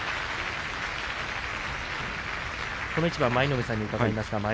この一番、舞の海さんに伺います。